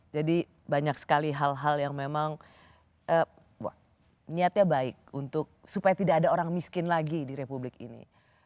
jadi banyak sekali hal hal yang memang niatnya baik untuk supaya tidak ada orang miskin lagi di republik ini